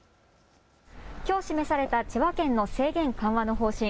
きょう示された千葉県の制限緩和の方針。